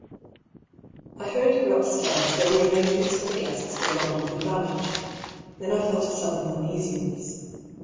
I hurried her upstairs, where the arrangements for the guests were wonderfully managed. Then I felt a sudden uneasiness.